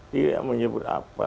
tidak menyebut apa